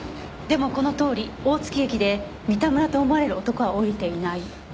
でもこのとおり大月駅で三田村と思われる男は降りていない。